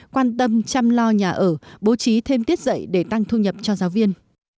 quan tâm chăm lo nhà ở bố trí thêm tiết dạy để tăng thu nhập cho giáo viên